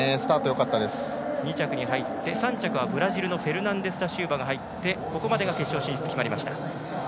２着に入って、３着はブラジルのフェルナンデスダシウバが入ってここまでが決勝進出決まりました。